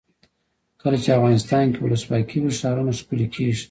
کله چې افغانستان کې ولسواکي وي ښارونه ښکلي کیږي.